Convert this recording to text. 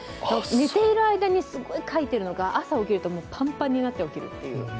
寝ている間に、すごいかいてるのか朝起きると、パンパンになってる。